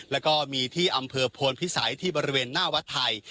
แล้วก็มีที่อำเภอโพนพิสัยที่บริเวณหน้าวัดไทย